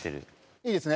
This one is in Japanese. いいですね。